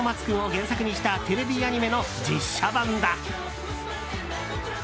くん」を原作にしたテレビアニメの実写版だ。